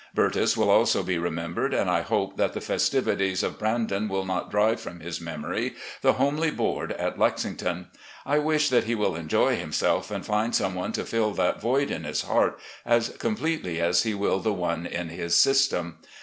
Bertus will also be remem bered, and I hope that the festivities of ' Brandon ' will not drive from his memory the homely board at Lexii^ ton. I trust that he will enjoy himself and find some one to fill that void in his heart as completely as he will the one in his — system.